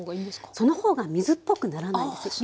その方が水っぽくならないんですよ。